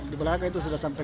di belakang itu sudah sampai